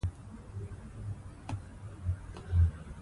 ازادي راډیو د اقتصاد په اړه په ژوره توګه بحثونه کړي.